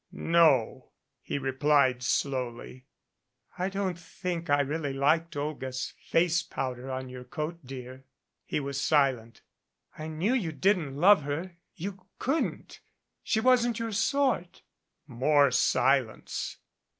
"No," he replied slowly. "I don't think I really liked Olga's face powder on your coat, dear." He was silent. "I knew you didn't love her. You couldn't. She wasn't your sort." More silence.